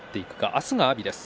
明日は阿炎です。